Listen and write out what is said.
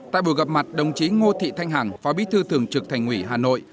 tại buổi gặp mặt đồng chí ngô thị thanh hằng phó bí thư thường trực thành ủy hà nội